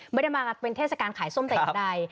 ไม่ได้มาเป็นเทศกาลขายส้มแต่อย่างใด